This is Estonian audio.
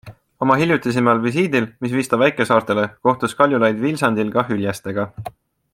Oma hiljutisimal visiidil, mis viis ta väikesaartele, kohtus Kaljulaid Vilsandil ka hüljestega.